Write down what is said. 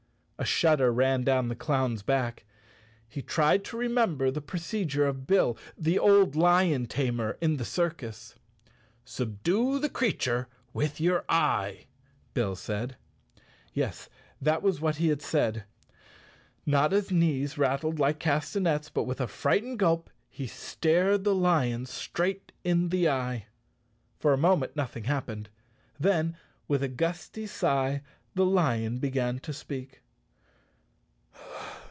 A shudder ran down the clown's back. He tried to remember the procedure of Bill, the old lion tamer in the circus. "Subdue the creature with your eye," Bill said. Yes, that was what he had said. Notta's knees rattled like castanets, but with a frightened gulp he stared the lion straight in the eye. For a moment nothing happened, then with a gusty sigh the lion began to speak.